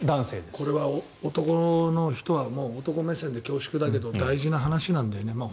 これは男の人は男目線で恐縮だけど大事な話なんだよね。